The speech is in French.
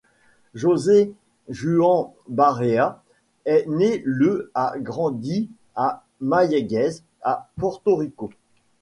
José Juan Barea est né et a grandi à Mayagüez, à Porto Rico.